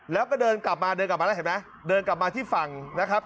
แล้วก็เดินกลับมาเดินกลับมาแล้วเห็นไหมเดินกลับมาที่ฝั่งนะครับ